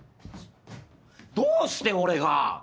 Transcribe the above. どうして俺が。